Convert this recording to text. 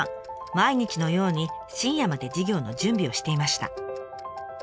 毎日のように深夜まで授業の準備をしていました。